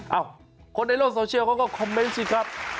เอ้าคนในโลกโซเชียลเขาก็คอมเมนต์สิครับ